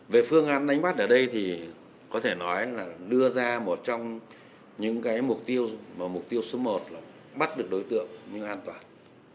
về phương án đánh bắt ở đây thì có thể nói là đưa ra một trong những cái mục tiêu mà mục tiêu số một là bắt được đối tượng nhưng an toàn